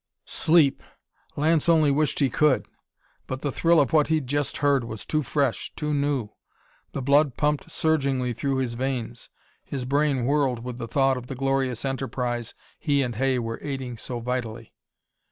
Sleep! Lance only wished he could. But the thrill of what he'd just heard was too fresh, too new; the blood pumped surgingly through his veins; his brain whirled with the thought of the glorious enterprise he and Hay were aiding so vitally.